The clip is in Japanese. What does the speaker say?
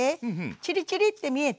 チリチリって見えた？